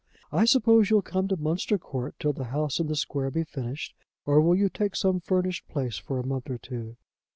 "I suppose you'll come to Munster Court till the house in the square be finished. Or will you take some furnished place for a month or two?